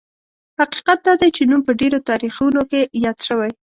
حقیقت دا دی چې نوم په ډېرو تاریخونو کې یاد شوی.